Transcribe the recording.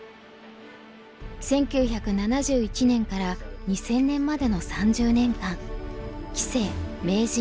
１９７１年から２０００年までの３０年間棋聖名人